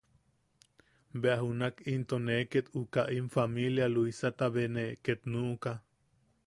Bea junak into ne ket uka im familia Luisata be ne ket nuʼuka.